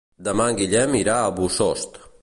Demà en Guillem irà a Bossòst.